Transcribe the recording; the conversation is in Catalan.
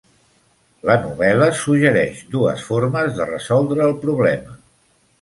La novel·la suggereix dues formes de resoldre el problema.